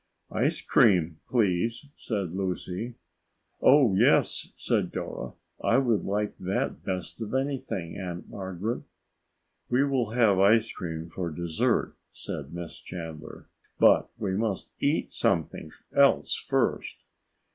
"Ice cream, please," said Lucy. "Oh, yes!" said Dora. "I would like that best of anything, Aunt Margaret." "We will have ice cream for dessert," said Miss Chandler, "but we must eat something else first."